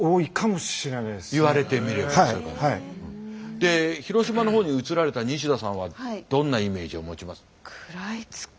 で広島の方に移られた西田さんはどんなイメージを持ちます？